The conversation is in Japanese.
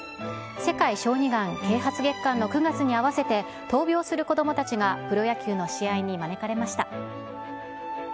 世界小児がん啓発月間の９月に合わせて、闘病する子どもたちが、プロ野球の試合に招かれました。